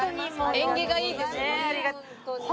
縁起がいいですね。